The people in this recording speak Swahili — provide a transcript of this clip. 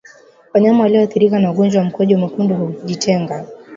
Wanyama walioathirika na ugonjwa wa mkojo mwekundu hujitenga